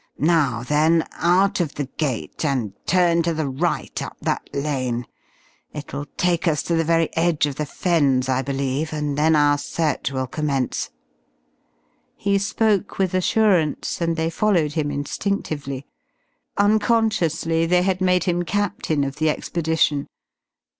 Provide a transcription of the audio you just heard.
Now, then, out of the gate and turn to the right up that lane. It'll take us to the very edge of the Fens, I believe, and then our search will commence." He spoke with assurance, and they followed him instinctively. Unconsciously they had made him captain of the expedition.